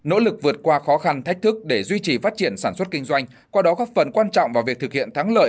nỗ lực vượt qua khó khăn thách thức để duy trì phát triển sản xuất kinh doanh qua đó góp phần quan trọng vào việc thực hiện thắng lợi